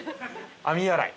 網洗い。